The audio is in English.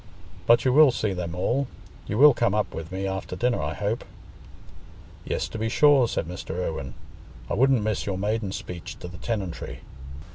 But you will see them all—you will come up with me after dinner, I hope?" "Yes, to be sure," said Mr. Irwine. "I wouldn't miss your maiden speech to the tenantry."